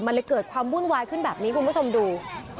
มันเลยเกิดความวุ่นวายขึ้นแบบนี้คุณผู้ชมดู